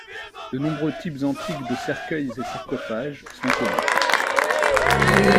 De nombreux types antiques de cercueils et sarcophages sont connus.